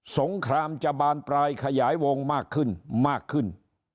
งครามจะบานปลายขยายวงมากขึ้นมากขึ้น